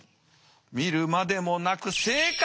見るまでもなく正解。